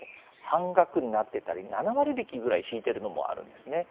半額になっていたり７割引ぐらい引いているのもあるんですね。